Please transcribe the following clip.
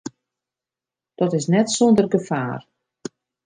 Dat is net sûnder gefaar.